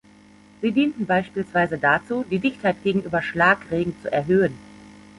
Sie dienten beispielsweise dazu, die Dichtheit gegenüber Schlagregen zu erhöhen.